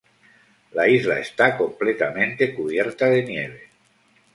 La isla está completamente cubierta de nieve.